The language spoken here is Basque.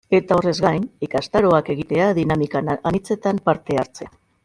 Eta horrez gain ikastaroak egitea, dinamika anitzetan parte hartzea...